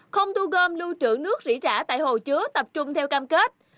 không thu gom lưu trữ nước rỉ trả tại hồ chứa tập trung theo cam kết